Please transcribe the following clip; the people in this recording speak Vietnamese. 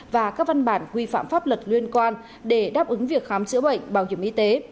và các văn bản quy phạm pháp luật liên quan để đáp ứng việc khám chữa bệnh bảo hiểm y tế